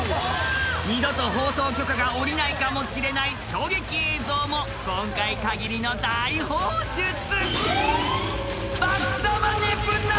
［二度と放送許可が下りないかもしれない衝撃映像も今回限りの大放出！］